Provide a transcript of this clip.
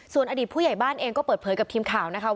ส่วนอดีตผู้ใหญ่บ้านเองก็เปิดเผยกับทีมข่าวนะคะ